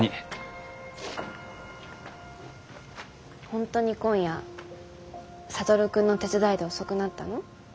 本当に今夜智君の手伝いで遅くなったの？